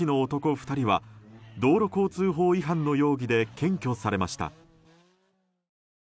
２人は道路交通法違反の容疑で検挙されました。